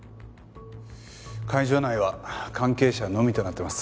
会場内は関係者のみとなっています。